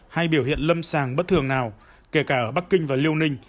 hay biểu hiện lâm sàng bất thường nào kể cả ở bắc kinh và liêu ninh